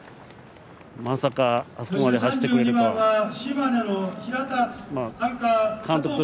まさか、あそこまで走ってくれると。